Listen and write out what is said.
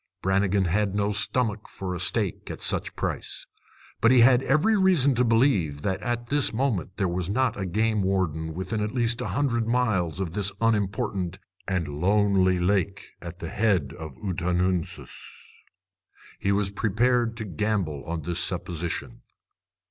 Brannigan had no stomach for a steak at such price. But he had every reason to believe that at this moment there was not a game warden within at least a hundred miles of this unimportant and lonely lake at the head of the Ottanoonsis. He was prepared to gamble on this supposition.